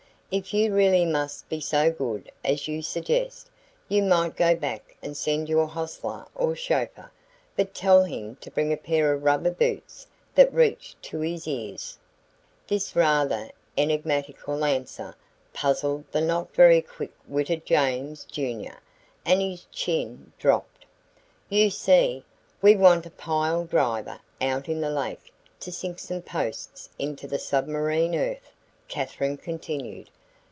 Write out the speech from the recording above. If you really must be so good as you suggest, you might go back and send your hostler or chauffeur, but tell him to bring a pair of rubber boots that reach to his ears." This rather enigmatical answer puzzled the not very quick witted James, Jr., and his chin dropped. "You see, we want a pile driver out in the lake to sink some posts into the submarine earth," Katherine continued.